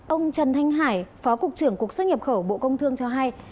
ông trần thanh hải phó cục trưởng cục xuất nhập khẩu bộ công thương cho hay